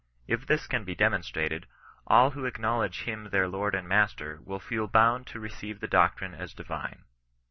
If this can be demonstrated, all who acknowledge Him their Lord and Master will feel bound to receive the doctrine as divine.